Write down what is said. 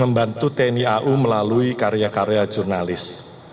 membantu tni au melalui karya karya jurnalis